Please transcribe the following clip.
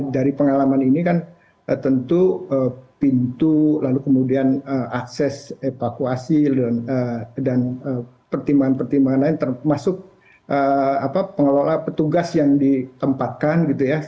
dari pengalaman ini kan tentu pintu lalu kemudian akses evakuasi dan pertimbangan pertimbangan lain termasuk pengelola petugas yang ditempatkan gitu ya